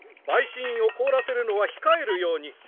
陪審員を凍らせるのは控えるように。